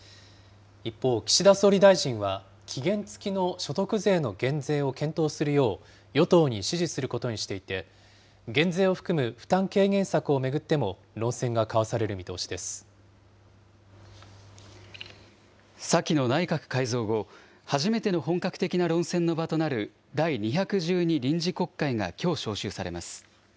一方、岸田総理大臣は期限付きの所得税の減税を検討するよう、与党に指示することにしていて、減税を含む負担軽減策を巡っても、先の内閣改造後、初めての本格的な論戦の場となる第２１２臨時国会がきょう召集されます。